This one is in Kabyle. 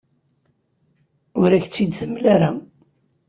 Ur ak-tt-id-temla ara.